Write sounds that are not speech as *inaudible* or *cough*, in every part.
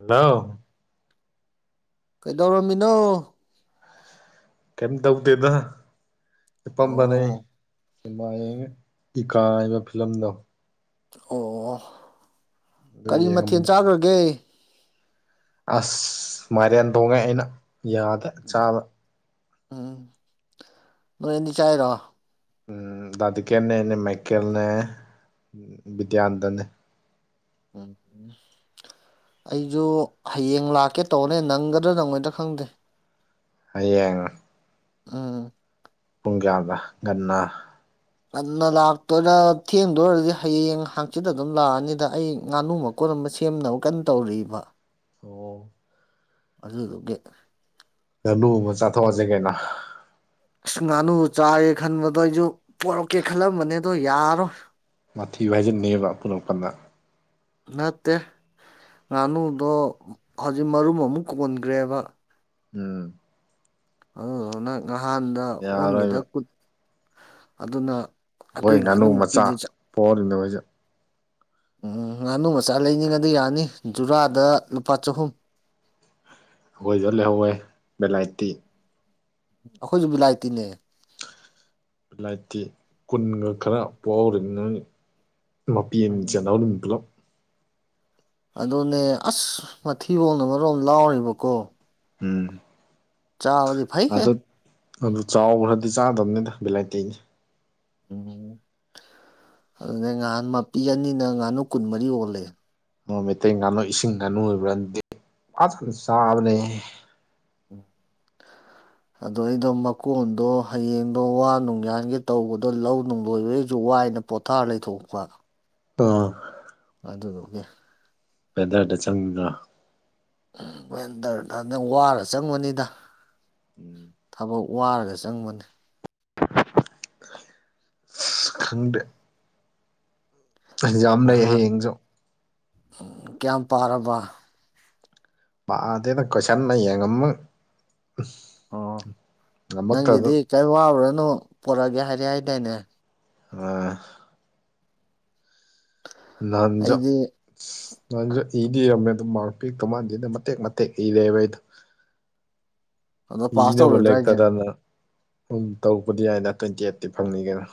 Hello ꯀꯩꯗꯧꯔꯝꯃꯤꯅꯣ ꯀꯩꯝ ꯇꯧꯗꯦꯗ ꯍꯤꯄꯝꯕꯅꯦ ꯑꯣ *unintelligible* ꯏꯀꯥꯏꯕ ꯐꯤꯂꯝꯗꯣ ꯑꯣ ꯑꯗꯨ ꯀꯔꯤ ꯃꯊꯦꯜ ꯌꯦꯡꯉꯝꯕꯅꯦ ꯆꯥꯈ꯭ꯔꯒꯦ ꯑꯁ ꯃꯥꯏꯔꯦꯟ ꯊꯣꯡꯉꯦ ꯑꯩꯅ ꯌꯥꯗ ꯆꯥꯕ ꯎꯝ ꯅꯣꯏꯑꯥꯅꯤ ꯆꯥꯏꯔꯣ ꯎꯝ ꯗꯥꯗꯤꯀꯦꯟꯅꯦ ꯑꯩꯅꯦ ꯃꯥꯏꯀꯦꯜꯅꯦ ꯕꯤꯗ꯭ꯌꯥꯟꯗꯅꯦ ꯎꯝ ꯑꯩꯁꯨ ꯍꯌꯦꯡ ꯂꯥꯛꯀꯦ ꯇꯧꯕꯅꯦ ꯅꯪꯒꯗ꯭ꯔꯥ ꯅꯪꯉꯣꯏꯗ ꯈꯪꯗꯦ ꯍꯌꯦꯡ ꯎꯝ ꯄꯨꯡ ꯀꯌꯥꯒ ꯉꯟꯅ ꯉꯟꯅ ꯂꯥꯛꯇꯣꯏꯔꯥ ꯊꯦꯡꯗꯣꯏꯔꯗꯤ ꯍꯌꯦꯡ ꯍꯪꯆꯤꯠ ꯑꯗꯨꯝ ꯂꯥꯛꯑꯅꯤꯗ ꯑꯩ ꯉꯥꯅꯨꯃ *unintelligible* ꯑꯃ ꯁꯦꯝꯅꯕ ꯀꯟꯅ ꯇꯧꯔꯛꯏꯕ ꯑꯣ ꯑꯗꯨꯗꯨꯒꯤ *unintelligible* ꯅꯨ ꯑꯃ ꯆꯥꯊꯣꯛꯑꯁꯦ ꯀꯩꯅꯣ ꯑꯁ ꯉꯥꯅꯨ ꯆꯥꯏ ꯈꯟꯕꯗꯣ ꯑꯩꯁꯨ ꯄꯣꯔꯛꯀꯦ ꯈꯜꯂꯝꯕꯅꯦ ꯑꯗꯣ ꯌꯥꯔꯣꯏ ꯃꯥꯊꯤꯕꯨ ꯐꯥꯏꯖꯤꯟꯅꯦꯕ ꯑꯄꯨꯟ ꯑꯄꯟꯗ ꯅꯠꯇꯦ ꯉꯥꯅꯨꯗꯣ ꯍꯧꯖꯤꯛ ꯃꯔꯨꯝ ꯑꯃꯨꯛ ꯀꯣꯟꯒ꯭ꯔꯦꯕ ꯎꯝ ꯑꯗꯨꯗꯨꯅ ꯅꯍꯥꯟꯗ ꯑꯣꯟꯈꯤꯗ ꯌꯥꯔꯣꯏꯕ ꯀꯨꯠ ꯑꯗꯨꯅ ꯑꯗꯨ ꯑꯩꯈꯣꯏ ꯏ ꯉꯥꯅꯨ ꯀꯥꯟꯗ ꯃꯆꯥ ꯃꯨꯛꯇꯤꯗ ꯆ ꯄꯣꯛꯍꯧꯔꯤꯅꯦ ꯍꯧꯖꯤꯛ ꯎꯝ ꯉꯥꯅꯨ ꯃꯆꯥ ꯂꯩꯅꯤꯡꯉꯗꯤ ꯌꯥꯅꯤ ꯖꯨꯔꯥꯗ ꯂꯨꯄꯥ ꯆꯍꯨꯝ ꯑꯩꯈꯣꯏꯗ ꯂꯩꯍꯧꯋꯦ ꯕꯦꯂꯥꯏꯠꯇꯤ ꯑꯩꯈꯣꯏꯁꯨ ꯕꯤꯂꯥꯏꯇꯤꯅꯦ ꯂꯥꯏꯇꯤ ꯀꯨꯟꯒ ꯈꯔ ꯄꯥꯎꯔꯤꯉ ꯃꯄꯦꯟ ꯎꯝ ꯆꯅꯥꯎ ꯑꯗꯨꯝ ꯄꯨꯂꯞ ꯑꯗꯨꯅꯦ ꯑꯁ ꯃꯊꯤꯕꯣꯡꯅ ꯑꯃꯣꯝ ꯂꯥꯎꯔꯤꯕꯀꯣ ꯎꯝ ꯆꯥꯕꯗꯤ ꯐꯩꯍꯦ ꯑꯗ ꯑꯗꯨ ꯆꯥꯎꯒ꯭ꯔꯗꯤ ꯆꯥꯗꯕꯅꯤꯗ ꯚꯦꯂꯥꯏꯇꯤꯅꯤ ꯎꯝ ꯑꯗꯨꯅꯦ ꯉꯍꯥꯟ ꯃꯄꯤ ꯑꯅꯤꯅ ꯉꯥꯅꯨ ꯀꯨꯟꯃꯔꯤ ꯑꯣꯜꯂꯦ ꯅꯣꯡ ꯃꯩꯇꯩ ꯉꯥꯅꯨ ꯏꯁꯤꯡ ꯉꯥꯅꯨ ꯑꯣꯏꯕ꯭ꯔꯗꯤ ꯐꯖꯅ ꯆꯥꯕꯅꯦꯍꯦ *inaudible* ꯑꯗꯣ ꯑꯩꯗꯣ ꯃꯀꯣꯟꯗꯣ ꯍꯌꯦꯡꯗꯣ ꯋꯥ ꯅꯨꯡꯌꯥꯟꯒꯦ ꯇꯧꯕꯗꯣ ꯂꯧ ꯅꯨꯡ ꯂꯣꯏꯕ ꯑꯩꯁꯨ ꯋꯥꯏꯅ ꯄꯣꯊꯥꯔ ꯂꯩꯊꯣꯛꯄ ꯄ ꯑꯗꯨꯗꯨꯒꯤ ꯄꯦꯗꯔꯗ ꯆꯪꯒ ꯋꯦꯟꯇꯔꯗ ꯅ ꯅꯪ ꯋꯥꯔ ꯆꯪꯕꯅꯤꯗ ꯎꯝ ꯊꯕꯛ ꯋꯥꯔꯒ ꯆꯪꯕꯅꯤ ꯁ ꯈꯪꯗꯦ ꯑꯦꯛꯖꯥꯝ ꯂꯩ ꯅꯍꯥꯛ ꯍꯌꯦꯡꯁꯨ꯫ ꯀꯌꯥꯝ ꯄꯥꯔꯕ꯫ ꯄꯗꯦꯗꯥ ꯀꯣꯏꯁꯟꯅ ꯌꯦꯡꯉꯝꯃ ꯫ ꯑꯣ ꯅꯪꯒꯤꯗꯤ ꯀꯔꯤꯝ ꯋꯥꯔꯨꯔꯅꯣ ꯄꯣꯔꯛꯑꯒꯦ ꯍꯥꯏꯔ ꯍꯥꯏꯗꯥꯏꯅꯦ꯫ ꯑ꯫ ꯂꯥꯟꯖ ꯑꯩꯗꯤ ꯅꯁꯨ ꯏꯗꯤ ꯏꯔꯝꯃꯦ ꯑꯗꯨꯝ ꯃꯥꯔꯛ ꯄꯤꯛꯇꯧ ꯃꯥꯟꯗꯦꯅ ꯃꯇꯦꯛ ꯃꯇꯦꯛ ꯏꯔꯦꯕ ꯑꯩꯗꯣ ꯑꯗꯣ ꯄꯥꯁ ꯏꯅꯕ ꯇꯧꯔꯣꯏꯗ꯭ꯔꯥ ꯍꯥꯏꯁꯦ ꯂꯩꯔꯛꯀꯗꯅ ꯁꯨꯝ ꯇꯧꯔꯛꯄꯗꯤ ꯍꯥꯏꯅ ꯇ꯭ꯋꯦꯟꯇꯤ ꯑꯩꯠꯇꯤ ꯐꯪꯅꯤ ꯀꯩꯅꯣ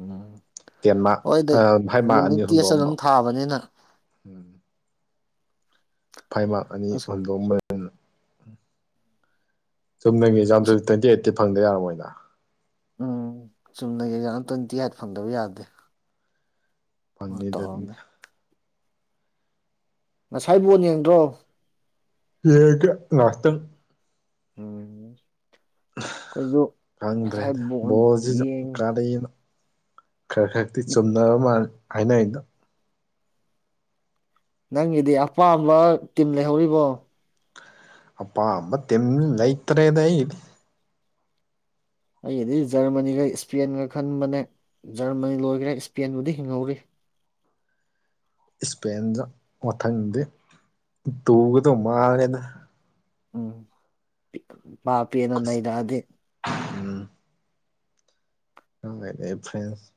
ꯎꯝ ꯇꯦꯟ ꯃꯥ ꯍꯣꯏꯗꯤ ꯐꯥꯏ ꯃꯥ ꯑꯅꯤ ꯌꯨꯅꯤꯠ ꯇꯦꯁ ꯍꯨꯟꯗꯣꯛꯑꯝꯕꯥ ꯑꯗꯨꯝ ꯊꯥꯕꯅꯤꯅ ꯐꯥꯏꯚ ꯃꯥꯔꯛ ꯑꯅꯤ ꯑꯁ ꯍꯨꯟꯗꯣꯛꯑꯝ ꯆꯨꯝꯅꯒꯤ ꯑꯦꯛꯖꯥꯝꯁꯨ ꯑꯁ ꯇ꯭ꯋꯦꯟꯇꯤ ꯑꯩꯠꯇꯤ ꯐꯪꯗ ꯌꯥꯔꯝꯃꯣꯏꯅ ꯎꯝ ꯆꯨꯝꯅꯒꯤ ꯑꯖꯥ ꯇ꯭ꯋꯦꯟꯇꯤ ꯑꯥꯏꯠ ꯐꯪꯗꯕ ꯌꯥꯗꯦ ꯍꯣꯏ ꯐꯪꯅꯤꯗ ꯇꯧꯔꯝꯅꯦ ꯉꯁꯥꯏ ꯕꯣꯟ ꯌꯦꯡꯗ꯭ꯔꯣ ꯂꯩ ꯀ ꯉꯥꯛꯇꯪ ꯎꯝ ꯑꯩꯈꯣꯏꯁꯨ ꯉꯁꯥꯏ ꯈꯪꯗ꯭ꯔꯦꯗ ꯕꯣꯟ ꯕꯣꯟꯖꯤꯁꯨ ꯌꯦꯡꯉꯤ ꯀꯔꯤꯅꯣ ꯈꯔ ꯈꯛꯇꯤ ꯆꯨꯝꯅꯕ ꯃꯥꯜ ꯍꯥꯏꯅꯩꯗꯣ ꯅꯪꯒꯤꯗꯤ ꯑꯄꯥꯝꯕ ꯇꯤꯝ ꯂꯩꯍꯧꯔꯤꯕꯣ ꯑꯄꯥꯝꯕ ꯇꯤꯝ ꯂꯩꯇ꯭ꯔꯦꯗ ꯑꯩꯗꯤ ꯑꯩꯗꯤ ꯖꯔꯃꯅꯤꯒ ꯏꯁꯄꯦꯟꯒ ꯈꯟꯕꯅꯦ ꯖꯔꯃꯅꯤ ꯂꯣꯏꯒꯔꯦ ꯏꯁꯄꯦꯟꯕꯨꯗꯤ ꯍꯤꯡꯍꯧꯔꯤ ꯏꯁꯄꯦꯟꯗ ꯃꯊꯪꯗꯤ ꯇꯨꯒꯗꯧ ꯃꯥꯂꯦꯅ ꯎꯝ ꯃꯥ ꯄꯦꯅ ꯅꯩꯅꯔꯛꯑꯗꯤ ꯎꯝ ꯐ꯭ꯔꯦꯟꯁ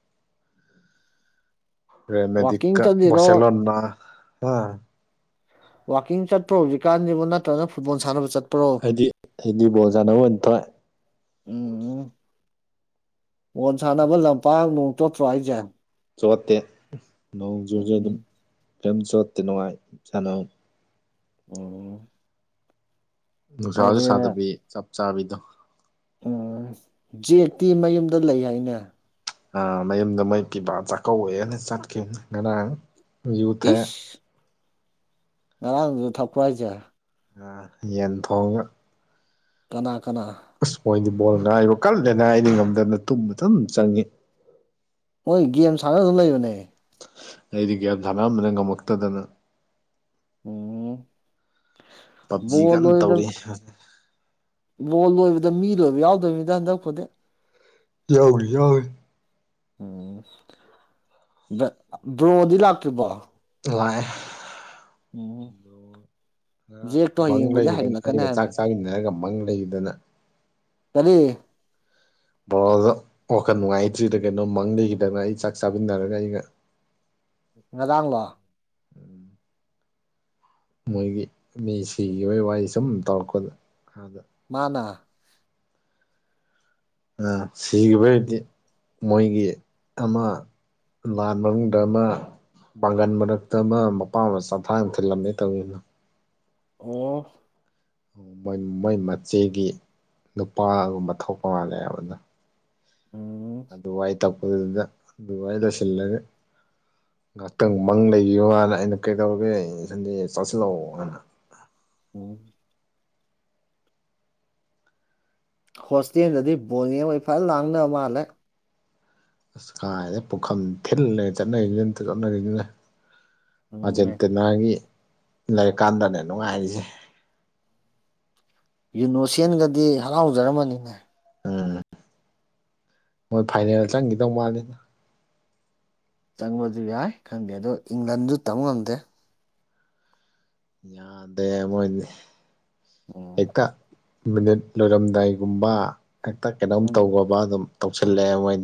ꯋꯥꯛꯀꯤꯡ ꯃꯦꯗꯤꯀꯥ ꯆꯠꯂꯤꯔꯣ ꯕꯁꯁꯦꯂꯣꯅꯥ ꯍꯥ ꯋꯥꯛꯀꯤꯡ ꯆꯠꯄ꯭ꯔꯣ ꯍꯧꯖꯤꯛꯀꯥꯟꯁꯤꯕꯨ ꯅꯠꯇ꯭ꯔꯒ ꯐꯨꯠꯕꯣꯜ ꯁꯥꯟꯅꯕ ꯆꯠ ꯑꯩꯗꯤ ꯑꯩꯗꯤ ꯕꯣꯜ ꯁꯥꯟꯅꯕ ꯑꯣꯢꯅ ꯊꯣꯛꯑꯦ ꯎꯝ ꯎꯝ ꯃꯣꯟ ꯁꯥꯟꯅꯕ ꯂꯝꯄꯥꯛ ꯅꯣꯡ ꯆꯣꯠꯇ꯭ꯕꯣ ꯑꯩꯖꯦ ꯆꯣꯠꯇꯦ ꯅꯣꯡꯖꯨꯁꯨ ꯑꯗꯨꯝ ꯎꯝ ꯀꯔꯤꯝ ꯆꯣꯠꯇꯦ ꯅꯨꯡꯉꯥꯏ ꯁꯥꯟꯅꯕ ꯎꯝ ꯅꯨꯡꯁꯥꯁꯨ ꯀꯔꯤ ꯁꯥꯗꯕꯤ ꯆꯞ ꯆꯥꯕꯤꯗꯣ ꯎꯝ ꯖꯦꯛꯇꯤ ꯃꯌꯨꯝꯗ ꯂꯩ ꯍꯥꯏꯅꯦ ꯑ ꯃꯌꯨꯝꯗ ꯃꯣꯏ ꯄꯤꯕꯥ ꯆꯥꯛꯀꯧꯋꯦꯅ ꯆꯠꯈꯤꯝ ꯉꯔꯥꯡ ꯌꯨꯊꯛꯑꯦ ꯉꯔꯥꯡꯖꯨ ꯊꯛꯄ꯭ꯔꯣ ꯍꯥꯏꯖꯦ ꯌꯦꯟ ꯊꯣꯡꯅ ꯀꯅꯥ ꯀꯅꯥ ꯑꯁ ꯃꯣꯏꯗꯤ ꯕꯣꯜ ꯉꯥꯏꯕ ꯀꯜꯂꯦꯅ ꯑꯩꯗꯤ ꯉꯝꯗꯅ ꯇꯨꯝꯕ ꯑꯗꯨꯝ ꯆꯪꯉꯤ ꯃꯣꯏ ꯒꯦꯝ ꯁꯥꯟꯅ ꯑꯗꯨꯝ ꯂꯩꯕꯅꯦ ꯑꯩꯗꯤ ꯒ꯭ꯌꯥꯟ ꯊꯥꯅꯝꯕꯅ ꯉꯝꯃꯛꯇꯗꯅ ꯎꯝ ꯕꯣꯜ ꯄꯞꯖꯤꯒ ꯂꯣꯏꯕꯗ ꯇꯧꯔꯤ ꯕꯣꯜ ꯂꯣꯏꯕꯗ ꯃꯤ ꯂꯣꯏꯕ ꯌꯥꯎꯗꯕꯅꯤꯗ ꯍꯟꯗꯛ ꯈꯨꯣꯗꯤꯦꯛ ꯌꯥꯎꯅꯤ ꯌꯥꯎꯏ ꯎꯝ ꯕ꯭ꯔꯣꯗꯤ ꯂꯥꯛꯇ꯭ꯔꯤꯕꯣ ꯂꯥꯛꯑ ꯑꯣꯝ ꯃꯪ ꯂꯩꯒꯤꯗꯅ ꯑꯩꯒ ꯆꯥꯛ ꯍꯥꯏꯕꯅꯤ ꯆꯥꯃꯤꯟꯅꯔꯒ ꯃꯪ ꯂꯩꯒꯤꯗꯅ ꯀꯔꯤ ꯕꯣꯔꯣ ꯋꯥꯈꯜ ꯅꯨꯡꯉꯥꯏꯇ꯭ꯔꯤꯗ ꯀꯩꯅꯣ ꯃꯪ ꯂꯩꯒꯤꯗꯅ ꯑꯩ ꯆꯥꯛ ꯆꯥꯃꯤꯟꯅꯔꯒ ꯑꯩꯒ ꯉꯔꯥꯡꯂꯣ ꯃꯣꯏꯒꯤ ꯃꯤ ꯁꯤꯈꯤꯕ ꯋꯥꯔꯤ ꯁꯨꯝ ꯇꯧꯔꯛꯄꯗ ꯑꯗ ꯃꯥꯅ ꯁꯤꯒꯤꯕꯩꯗꯤ ꯃꯣꯏꯒꯤ ꯑꯃ ꯂꯥꯟ ꯃꯅꯨꯡꯗ ꯑꯃ ꯄꯥꯡꯒꯟ ꯃꯔꯛꯇ ꯑꯃ ꯃꯄꯥ ꯃꯆꯥ ꯊꯥꯡ ꯊꯤꯜꯂꯝꯃꯦ ꯇꯧꯋꯦꯗꯨ ꯑꯣ ꯑꯣ ꯃꯣꯏ ꯃꯣꯏ ꯃꯆꯦꯒꯤ ꯅꯨꯄꯥꯒꯨꯝꯕ ꯊꯣꯛꯄ ꯃꯥꯜꯂꯑꯕꯅ ꯎꯝ ꯑꯗꯨꯋꯥꯏ ꯇꯛꯄꯗꯨꯗ ꯑꯗꯨꯋꯥꯏ ꯂꯣꯏꯁꯤꯜꯂꯒꯦ ꯉꯥꯏꯍꯥꯛꯇꯪ ꯃꯪ ꯂꯩꯌꯨꯅ ꯑꯩꯅ ꯀꯩꯗꯧꯔꯒꯦ ꯁꯟꯗꯦ ꯆꯥꯁꯤꯜꯂꯛꯑꯣꯅ ꯎꯝ ꯍꯣꯁꯇꯦꯜꯗꯗꯤ ꯕꯣꯅꯦꯕ ꯏꯐꯜ ꯂꯥꯡꯗꯅꯕ ꯃꯥꯜꯂꯦ ꯑꯁ ꯀꯥꯏꯗ ꯄꯨꯈꯝ ꯊꯤꯜꯂꯦ ꯆꯠꯅꯔꯤꯁꯤꯅ ꯑ ꯆꯠꯅꯔꯤꯁꯤꯅ ꯎꯝꯅꯦ ꯑꯥꯔꯖꯦꯟꯇꯤꯅꯥꯒꯤ ꯂꯩꯔꯤꯛꯀꯥꯟꯗꯅꯦ ꯅꯨꯡꯉꯥꯏꯔꯤꯁꯦ ꯌꯨꯅꯣꯁꯦꯟꯒꯗꯤ ꯍꯔꯥꯎꯖꯔꯝꯃꯅꯤꯅꯦ ꯎꯝ ꯃꯣꯏ ꯐꯥꯏꯅꯦꯜ ꯆꯪꯈꯤꯗꯧ ꯃꯥꯜꯂꯤꯅ ꯆꯪꯕꯁꯨ ꯌꯥꯏ ꯈꯪꯗꯦ ꯑꯗꯣ ꯏꯪꯂꯟꯁꯨ ꯇꯝꯕ ꯉꯝꯗꯦ ꯌꯥꯗꯦꯃꯣꯅꯤ ꯎꯝ ꯍꯀ ꯃꯤꯅꯤꯠ ꯂꯣꯏꯔꯝꯗꯥꯏꯒꯨꯝꯕ ꯍꯦꯛꯇ ꯀꯩꯅꯣꯝ ꯎꯝ ꯇꯧꯕ ꯑꯗꯨꯝ ꯇꯧꯁꯤꯜꯂꯛꯑꯦ ꯃꯣꯏ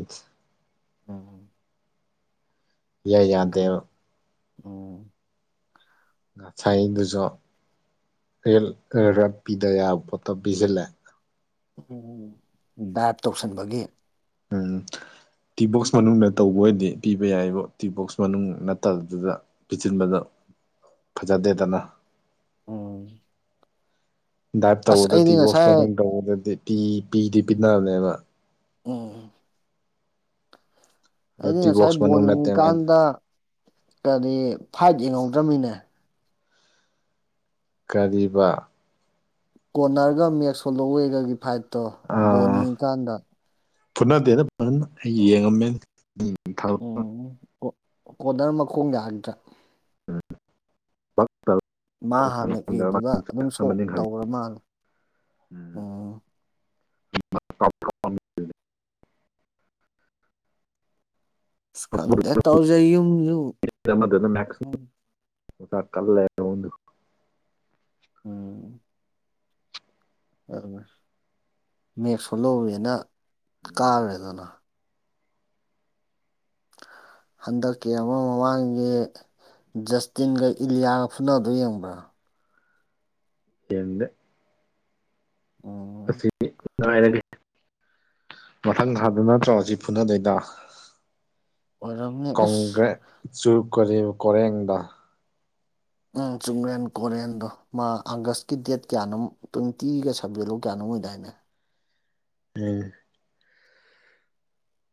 ꯎꯝ ꯏꯌꯥ ꯑꯗꯨꯗ ꯌꯥꯗꯦꯕ ꯎꯝ ꯉꯁꯥꯏꯗꯨꯁꯨ ꯔꯠꯄꯤꯤꯗꯕ ꯌꯥꯕ ꯄꯣꯠꯇꯣ ꯄꯤꯁꯤꯜꯂꯦ ꯎ ꯗꯥꯏꯞ ꯇꯧꯁꯟꯕꯒꯤ ꯎꯝ ꯇꯤꯕꯣꯛꯁ ꯃꯅꯨꯡꯗ ꯇꯧꯕ ꯑꯣꯏꯔꯗꯤ ꯄꯤꯕ ꯌꯥꯏꯕꯨ ꯇꯤꯕꯣꯛꯁ ꯃꯅꯨꯡ ꯅꯠꯇꯕꯗꯨꯗ ꯄꯤꯁꯤꯟꯕꯗ ꯐꯖꯗꯦꯗꯅ ꯎꯝ ꯗꯥꯏꯞ ꯑꯁ ꯇꯧꯕꯗ ꯑꯩꯗꯤ ꯇꯤ ꯣꯁ ꯉꯁꯥꯏ ꯃꯅꯨꯡ ꯇꯧꯕꯗꯗꯤ ꯄꯤ ꯄꯤꯗꯤ ꯄꯤꯅꯕꯅꯦꯕ ꯎꯝ ꯑꯗꯣ ꯑꯩꯅ ꯉꯁꯥꯏ ꯇꯤꯕꯣꯛꯁ ꯕꯣꯜ ꯃꯅꯨꯡ ꯅꯠꯇꯦ ꯃꯥꯏꯗꯣ ꯌꯦꯡꯉꯤꯀꯥꯟꯗ ꯀꯔꯤ ꯐꯥꯏꯠ ꯌꯦꯡꯍꯧꯗ꯭ꯔꯕꯃꯤꯅꯦ ꯀꯔꯤꯕ ꯀꯣꯔꯅꯔꯒ ꯃꯦꯛ ꯁꯣꯂꯣꯋꯦꯒꯒꯤ ꯐꯥꯏꯠꯇꯣ ꯕꯣꯜꯅꯤꯀꯥꯟꯗ ꯐꯨꯅꯗꯦꯅ ꯐꯖꯅ ꯑꯩ ꯌꯦꯡꯉꯝꯃꯦ ꯑꯣ ꯀꯣꯗꯔ ꯃꯈꯣꯡ ꯌꯥꯒꯗ꯭ꯔꯥ ꯎꯝ ꯃꯥ ꯍꯥꯟꯅ ꯑꯦꯔꯤꯗꯨꯗ ꯑꯗꯨꯝ ꯁꯣꯛ ꯑꯃꯅꯤ ꯈꯪꯉꯤ ꯇꯧ꯭ꯔ ꯃꯥꯜꯂ ꯎꯝ ꯑꯣ ꯈꯪꯗꯦ ꯇꯧꯖꯩ ꯌꯨꯝꯁꯨ ꯑꯣꯇ ꯀꯜꯂ ꯂꯩꯔꯣꯗ ꯎꯝ ꯑꯗꯨ ꯃꯦꯐꯣ ꯂꯧꯔꯦꯅ ꯎꯝ ꯀꯥꯨꯔꯦꯗꯅ ꯍꯟꯗꯛꯀꯤ ꯑꯃ ꯃꯃꯥꯡꯒꯤ ꯖꯁꯇꯤꯟꯒ ꯏꯂꯤꯌꯥꯒ ꯐꯨꯅꯗꯣ ꯌꯦꯡꯕ꯭ꯔꯥ ꯌꯦꯡꯅ ꯑꯣ ꯑꯁꯤ ꯉꯥꯏꯔꯒꯦ ꯃꯊꯪ ꯊꯥꯗꯅ ꯇ꯭ꯔꯁꯤ ꯐꯨꯅꯗꯩꯗ ꯑꯣꯏꯔꯝꯅꯤ ꯑꯁ ꯀꯣꯡꯒ꯭ꯔꯦ ꯆꯨꯔ ꯀ ꯀꯣꯔꯣꯔꯦꯡꯗ ꯎꯝ ꯆꯨꯝꯔꯦꯟ ꯀꯣꯔꯣꯔꯦꯟꯗꯣ ꯃꯥ ꯑꯥꯒꯁꯀꯤ ꯗꯦꯠ ꯀꯌꯥꯅꯣ ꯇ꯭ꯋꯦꯟꯇꯤꯒ ꯁꯕꯖꯦꯛꯂꯣ ꯀꯌꯥꯅꯣ ꯑꯣꯏꯗꯥꯏꯅꯦ ꯄ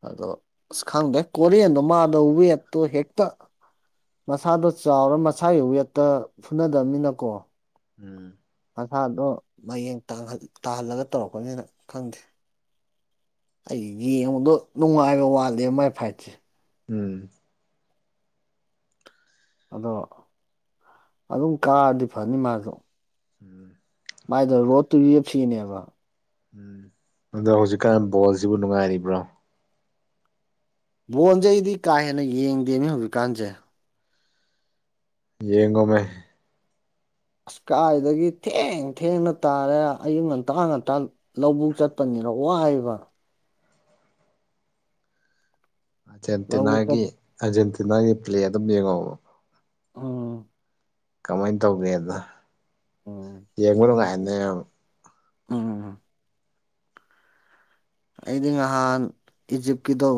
ꯑꯗꯣ ꯑꯁ ꯈꯪꯗꯦ ꯀꯦꯟꯗꯣ ꯃꯥꯗꯣ ꯋꯦꯠꯇꯣ ꯍꯦꯛꯇ ꯃꯁꯥꯗꯣ ꯆꯥꯎꯔ ꯃꯁꯥꯒꯤ ꯋꯦꯠꯇ ꯐꯨꯅꯗꯕꯅꯤꯅꯀꯣ ꯎꯝ ꯃꯁꯥꯗꯣ ꯃꯌꯦꯡ ꯇꯥꯍꯜꯂꯒ ꯇꯧꯔꯛꯄꯅꯤꯅ ꯈꯪꯗꯦ ꯑꯩ ꯌꯦꯡꯕꯗꯣ ꯅꯨꯡꯉꯥꯏꯕ ꯋꯥꯠꯂꯦ ꯃꯥꯏ ꯐꯥꯏꯠꯁꯦ ꯎꯝ ꯑꯗꯣ ꯑꯗꯨꯝ ꯀꯥꯑꯗꯤ ꯐꯅꯤ ꯃꯥꯁꯨ ꯎꯝ ꯃꯥꯏꯗ ꯔꯣꯠꯇꯨꯗꯤ ꯐꯤꯅꯦꯕ ꯎꯝ ꯑꯗ ꯍꯧꯖꯤꯛꯀꯥꯟ ꯕꯣꯜꯁꯤꯕꯨ ꯅꯨꯡꯉꯥꯏꯔꯤꯕ꯭ꯔꯣ ꯕꯣꯟꯁꯦ ꯑꯩꯗꯤ ꯀꯥ ꯍꯦꯟꯅ ꯌꯦꯡꯗꯦꯅꯤ ꯍꯧꯖꯤꯛꯀꯥꯟꯁꯦ ꯌꯦꯡꯒꯣ ꯃ ꯑꯁꯀꯥꯏꯗꯒꯤ ꯊꯦꯡ ꯊꯦꯡꯅ ꯇꯥꯔꯦ ꯑꯌꯨꯛ ꯉꯟꯇꯥꯥ ꯉꯟꯇꯥ ꯂꯧꯕꯨꯛ ꯆꯠꯄꯅꯤꯅ ꯋꯥ ꯍꯥꯏꯕ ꯂꯧꯕꯨꯛ ꯆꯠ ꯑꯥꯔꯖꯦꯟꯇꯤꯅꯥꯒꯤ ꯑꯥꯔꯖꯦꯟꯇꯤꯅꯥꯒꯤ ꯄ꯭ꯂꯦ ꯑꯗꯨꯝ ꯌꯦꯡꯉꯣꯕ ꯎꯝ ꯀꯃꯥꯏꯅ ꯇꯧꯒꯦꯗ ꯎꯝ ꯌꯦꯡꯕ ꯅꯨꯡꯉꯥꯏꯅꯦ ꯎꯝ ꯑꯩꯗꯤ ꯅꯍꯥꯟ ꯏꯖꯤꯞꯀꯤꯗꯣ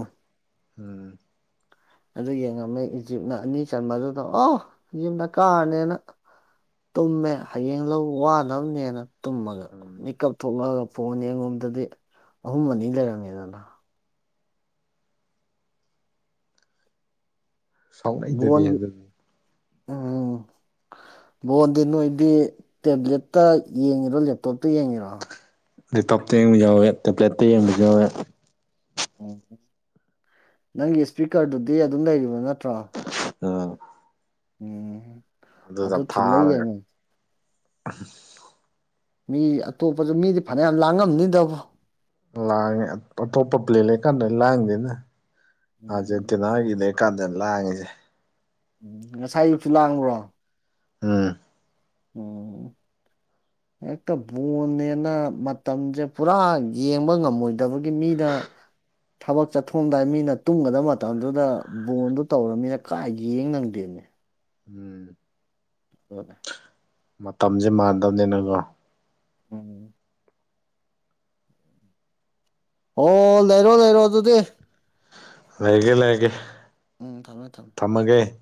ꯎꯝ ꯑꯗꯨ ꯌꯦꯡꯉꯝꯃꯦ ꯏꯖꯤꯞꯅ ꯑꯅꯤ ꯆꯟꯕꯗꯨꯗ ꯑꯣ ꯌꯨꯝꯗ ꯀꯥꯔꯅꯦꯅ ꯇꯨꯝꯃꯦ ꯍꯌꯦꯡ ꯂꯧ ꯋꯥꯅꯕꯅꯦꯅ ꯇꯨꯝꯃꯒ ꯎꯝ ꯃꯤꯀꯞ ꯊꯣꯛꯂꯛꯑꯒ ꯐꯣꯟꯅꯤ ꯑꯩꯉꯣꯝꯗꯗꯤ ꯑꯍꯨꯝ ꯑꯅꯤ ꯂꯩꯔꯝꯃꯦꯦꯗꯅ ꯁꯥꯎꯅꯩꯗꯨꯗꯤ ꯟꯒꯤ ꯑꯗꯨꯗꯤ ꯎꯝ ꯕꯣꯟꯗꯤ ꯅꯣꯏꯗꯤ ꯇꯦꯕ꯭ꯂꯦꯠꯇ ꯌꯦꯡꯉꯤꯔꯣ ꯂꯦꯞꯇꯣꯞꯇ ꯌꯦꯡꯉꯤꯔꯣ ꯂꯦꯞꯇꯣꯞꯇ ꯌꯦꯡꯕ ꯌꯥꯎꯋꯦ ꯇꯦꯕ꯭ꯂꯦꯠꯇ ꯌꯦꯡꯕꯁꯨ ꯌꯥꯎꯋꯦ ꯎꯝ ꯅꯪꯒꯤ ꯏꯁꯄꯤꯀꯔꯗꯨꯗꯤ ꯑꯗꯨꯝ ꯂꯩꯔꯤꯕꯣ ꯅꯠꯇ꯭ꯔꯣ ꯑ ꯎꯝ ꯑꯗ ꯊꯤꯜꯂ ꯍꯥꯏꯅꯦ ꯎꯝ ꯃꯤ ꯑꯇꯣꯞꯄꯁꯨ ꯃꯤꯗꯤ ꯐꯅꯌꯥꯝ ꯂꯥꯡꯉꯝꯅꯤꯗꯕ ꯂꯥꯡꯉꯦ ꯑꯇꯣꯞꯄ ꯄ꯭ꯂꯦ ꯂꯩꯀꯥꯟꯗ ꯂꯥꯡꯗꯦꯗ ꯎꯝ ꯑꯥꯔꯖꯦꯟꯇꯤꯅꯥꯒꯤ ꯀꯥꯟꯗ ꯂꯥꯡꯉꯤꯁꯦ ꯎꯝ ꯉꯁꯥꯏ ꯑꯌꯨꯛꯁꯨ ꯂꯥꯡꯕ꯭ꯔꯣ ꯎꯝ ꯎꯝ *inaudible* ꯍꯦꯛꯇ ꯕꯣꯟꯅꯦꯅ ꯃꯇꯝꯁꯦ ꯄꯨꯔꯥ ꯌꯦꯡꯕ ꯉꯝꯃꯣꯏꯗꯕꯒꯤ ꯃꯤꯅ ꯊꯕꯛ ꯆꯠꯊꯣꯡꯑꯝꯗꯥꯏ ꯃꯤꯅ ꯇꯨꯝꯒꯗꯕ ꯃꯇꯝꯗꯨꯗ ꯕꯣꯟꯗꯨ ꯇꯧꯔꯕꯅꯤꯅ ꯀꯥꯏ ꯌꯦꯡ ꯅꯪꯗꯦꯕꯅꯦ ꯎꯝ ꯎ ꯃꯇꯝꯁꯦ ꯃꯥꯟꯗꯕꯅꯤꯅꯀꯣ ꯎꯝ ꯑꯣ ꯂꯩꯔꯣ ꯂꯩꯔꯣ ꯑꯗꯨꯗꯤ ꯂꯩꯒꯦ ꯂꯩꯒꯦ ꯎꯝ ꯊꯝꯃꯦ ꯊꯝꯃꯦ ꯊꯝꯃꯥꯒꯦ